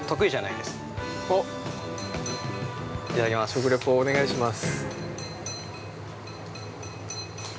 ◆食レポをお願いします。